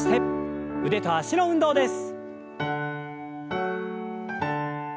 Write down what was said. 腕と脚の運動です。